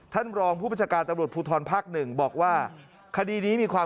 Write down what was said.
ท่านรองผู้ประชาการตำลวดพูทรภาคหนึ่งบอกว่า